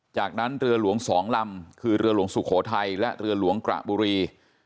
จากนั้นเรือหลวง๒ลำคือเรือหลวงสุโขทัยและเรือหลวงกระบุรี